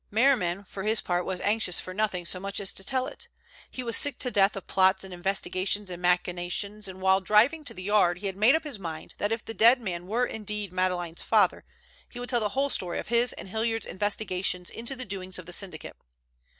Merriman for his part was anxious for nothing so much as to tell it. He was sick to death of plots and investigations and machinations, and while driving to the Yard he had made up his mind that if the dead man were indeed Madeleine's father, he would tell the whole story of his and Hilliard's investigations into the doings of the syndicate.